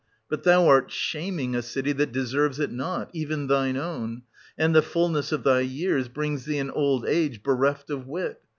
But thou art shaming a city that deserves it not, even thine own ; and the fulness of thy years brings 930 thee an old age bereft of wit.